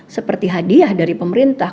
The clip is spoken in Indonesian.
seperti hadiah dari pemerintah